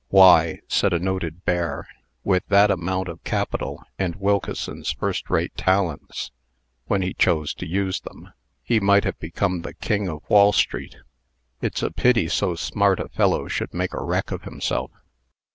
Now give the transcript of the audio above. "Why," said a noted bear, "with that amount of capital, and Wilkeson's first rate talents when he chose to use them he might have become the king of Wall street. It's a pity so smart a fellow should make a wreck of himself."